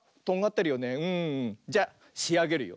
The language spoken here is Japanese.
じゃしあげるよ。